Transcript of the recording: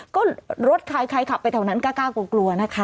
ก็รถใครใครขับไปแถวนั้นกล้ากลัวนะคะ